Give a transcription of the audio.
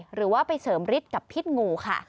หรือว่าไปเสริมฤทธิ์กับพิษงูค่ะ